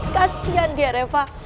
kasian dia reva